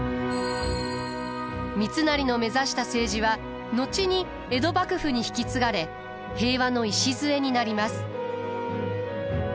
三成の目指した政治は後に江戸幕府に引き継がれ平和の礎になります。